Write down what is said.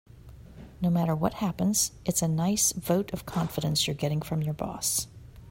No matter what happens, it's a nice vote of confidence you're getting from your boss.